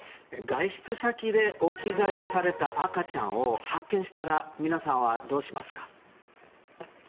外出先で置き去りにされた赤ちゃんを発見したら皆さんはどうしますか？